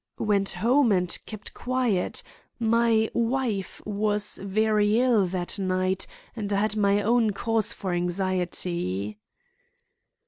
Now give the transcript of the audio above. "Went home and kept quiet; my wife was very ill that night and I had my own cause for anxiety."